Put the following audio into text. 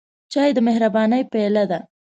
چای د مهربانۍ پیاله ده.